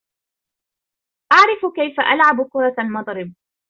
أعرف كيف ألعب كرة المضرب.